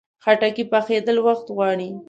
خټکی پخېدل وخت غواړي.